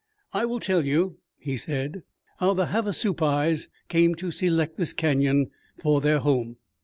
"I will tell you," he said, "how the Havasupais came to select this canyon for their home.